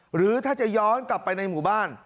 หรือถ้าจะย้อนกลับไปในหมู่บ้าน